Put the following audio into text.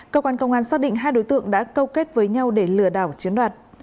cơ quan công an xác định hai đối tượng đã câu kết với nhau để lừa đảo chiếm đoạt